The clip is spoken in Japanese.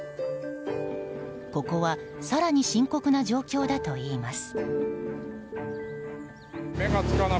ここは更に深刻な状況だといいます。